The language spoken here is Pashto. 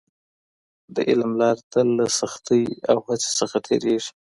د علم لاره تل له سختۍ او هڅې څخه تېرېږي.